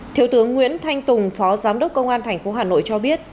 thiếu tướng nguyễn thanh tùng phó giám đốc công an tp hà nội cho biết